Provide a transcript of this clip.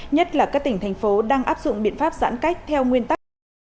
nhất là các tỉnh thành phố đang áp dụng biện pháp giãn cách theo nguyên tắc